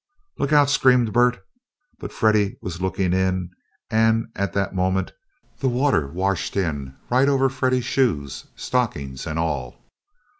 "Look out!" screamed Bert, but Freddie was looking in, and at that moment the water washed in right over Freddie's shoes, stockings, and all.